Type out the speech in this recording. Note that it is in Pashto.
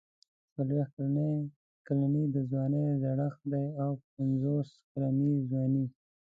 څلوېښت کلني د ځوانۍ زړښت دی او پنځوس کلني ځواني.